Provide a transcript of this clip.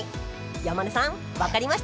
山根さん分かりましたか？